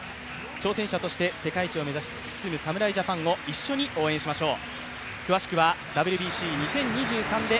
挑戦者として世界一を目指す侍ジャパンを一緒に応援しましょう。